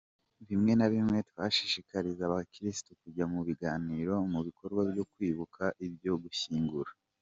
Bimwe na bimwe twashishikariza abakirisitu kujya mu biganiro mu bikorwa byo kwibuka, byo gushyingura.